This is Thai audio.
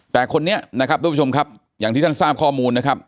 แต่คนนี้นะครับทุกผู้ชมครับอย่างที่ท่านทราบข้อมูลนะครับ